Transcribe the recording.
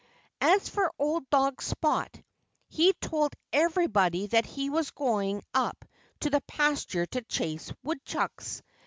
As for old dog Spot, he told everybody that he was going up to the pasture to chase woodchucks.